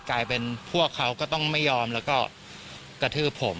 กลายเป็นพวกเขาก็ต้องไม่ยอมแล้วก็กระทืบผม